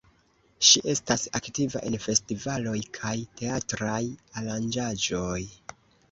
Ŝi estas aktiva en festivaloj kaj teatraj aranĝaĵoj.